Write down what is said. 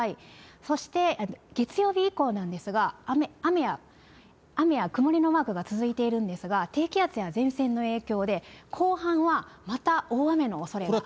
そして月曜日以降なんですが、雨や曇りのマークが続いているんですが、低気圧や前線の影響で、後半はまた大雨のおそれがあります。